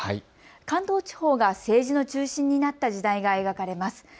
関東地方が政治の中心になった時代が描かれます。